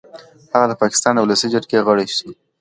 هغه د پاکستان د ولسي جرګې غړی شو.